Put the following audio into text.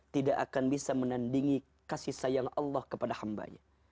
tidak akan bisa menandingi kasih sayang allah kepada hambanya